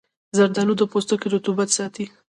زردآلو د پوستکي رطوبت ساتي.